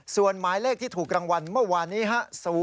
ส่วนหมายเลขที่ถูกรางวัลเมื่อวานนี้ฮะ